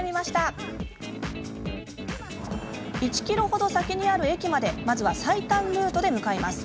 １ｋｍ程、先にある駅までまずは最短ルートで向かいます。